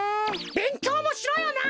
べんきょうもしろよな！